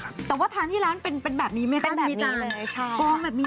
แต่ว่าทานที่ร้านมาเป็นแบบนี้ไหม